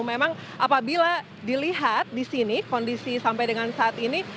memang apabila dilihat di sini kondisi sampai dengan saat ini